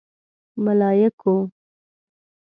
_ملايکو!